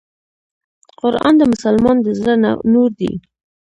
قرآن د مسلمان د زړه نور دی .